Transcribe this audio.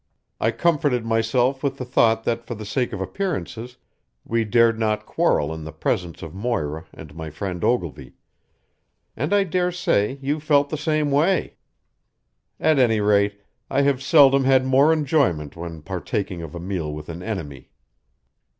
I comforted myself with the thought that for the sake of appearances we dared not quarrel in the presence of Moira and my friend Ogilvy, and I dare say you felt the same way. At any rate, I have seldom had more enjoyment when partaking of a meal with an enemy."